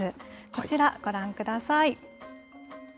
こちら、ご覧ください。